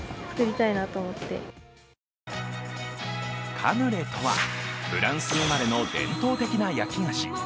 カヌレとは、フランス生まれの伝統的な焼き菓子。